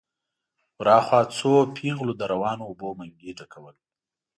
ور هاخوا څو پېغلو له روانو اوبو منګي ډکول.